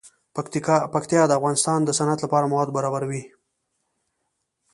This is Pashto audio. پکتیا د افغانستان د صنعت لپاره مواد برابروي.